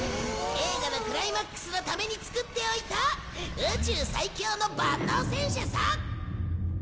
映画のクライマックスのために作っておいた宇宙最強の万能戦車さ！